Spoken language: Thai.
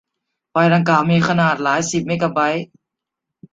ไฟล์ดังกล่าวมีขนาดหลายกิกะไบต์